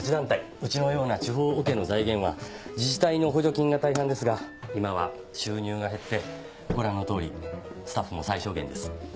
うちのような地方オケの財源は自治体の補助金が大半ですが今は収入が減ってご覧の通りスタッフも最小限です。